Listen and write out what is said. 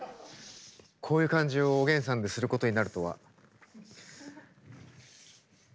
こういう感じをおげんさんですることになるとは。